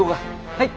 はい。